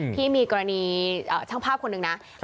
ที่มีกรณีช่างภาพคนหนึ่งนะ